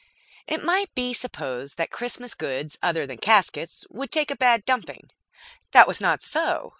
It might be supposed that Christmas goods other than caskets would take a bad dumping. That was not so.